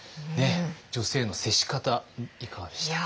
女性への接し方いかがでしたか？